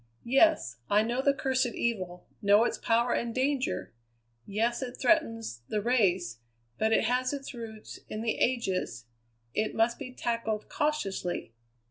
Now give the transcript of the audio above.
"Yes, I know the cursed evil, know its power and danger! Yes, it threatens the race, but it has its roots in the ages; it must be tackled cautiously.